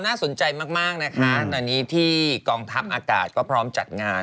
น่าสนใจมากนะคะตอนนี้ที่กองทัพอากาศก็พร้อมจัดงาน